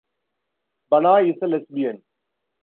Banai is a lesbian.